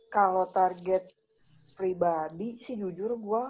kalau target pribadi sih jujur gue tahun ini